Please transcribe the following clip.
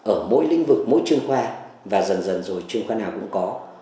ở mỗi lĩnh vực mỗi chuyên khoa và dần dần rồi chuyên khoa nào cũng có